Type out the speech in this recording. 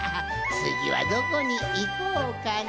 つぎはどこにいこうかの。